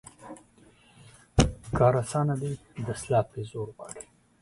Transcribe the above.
کار اسانه دى ، دسلاپ يې زور غواړي.